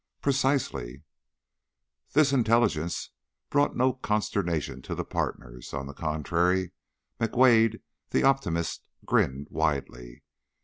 "Precisely." This intelligence brought no consternation to the partners; on the contrary, McWade, the optimist, grinned widely.